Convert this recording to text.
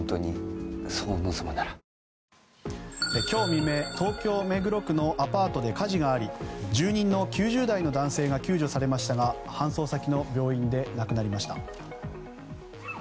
今日未明、東京・目黒区のアパートで火事があり住人の９０代の男性が救助されましたが搬送先の病院で亡くなりました。